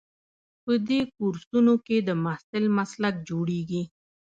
په دې کورسونو کې د محصل مسلک جوړیږي.